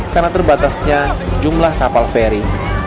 karena terbatasnya jumlah kapal feri